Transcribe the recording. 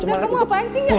udah kamu apaan sih enggak